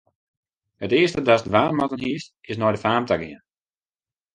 It earste datst dwaan moatten hiest, is nei de faam ta gean.